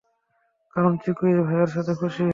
কারন চিকু ওই ভাইয়ার সাথে খুশি।